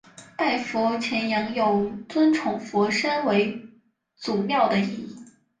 拜佛钳羊有尊崇佛山为祖庙的意义。